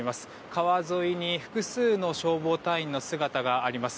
川沿いに複数の消防隊員の姿があります。